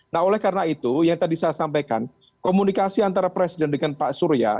nah oleh karena itu yang tadi saya sampaikan komunikasi antara presiden dengan pak surya